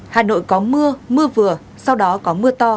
hà nội có mưa mưa vừa sau đó có mưa to